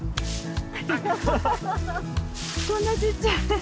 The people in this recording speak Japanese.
こんなちっちゃい。